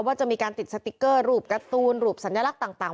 ว่าจะมีการติดสติ๊กเกอร์รูปการ์ตูนรูปสัญลักษณ์ต่าง